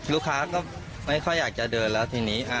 ลูกค้าก็ไม่ค่อยอยากจะเดินแล้วทีนี้